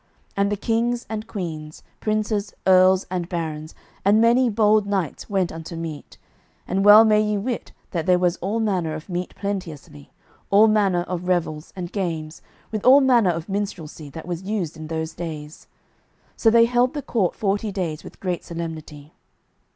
And the kings and queens, princes, earls, and barons, and many bold knights went unto meat, and well may ye wit that there was all manner of meat plenteously, all manner of revels, and games, with all manner of minstrelsy that was used in those days. So they held the court forty days with great solemnity.